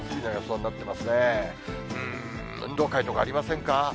うーん、運動会とかありませんか？